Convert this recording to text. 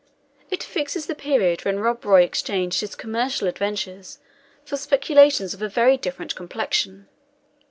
It fixes the period when Rob Roy exchanged his commercial adventures for speculations of a very different complexion.